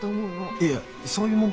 いやいやそういう問題？